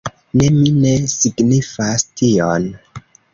Ne, mi ne signifas tion.